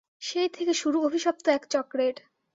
সেই থেকে শুরু অভিশপ্ত এক চক্রের।